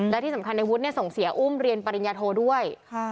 และที่สำคัญในวุฒิส่งเสียอุ้มเรียนปริญญาโทด้วย